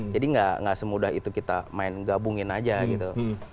jadi gak semudah itu kita main gabungin aja gitu